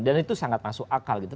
dan itu sangat masuk akal gitu